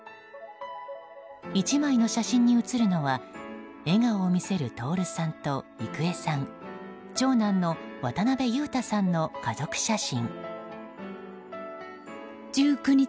１枚の写真に写るのは笑顔を見せる徹さんと郁恵さん、長男の渡辺裕太さんの家族写真。